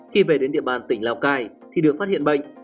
khi về đến địa bàn tỉnh lào cai thì được phát hiện bệnh